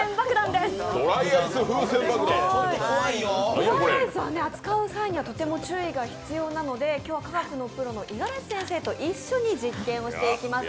ドライアイスを扱う際にはとても注意が必要なので今日は科学のプロの五十嵐先生と一緒に実験をしていきます。